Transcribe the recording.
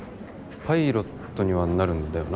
パイロットにはなるんだよな？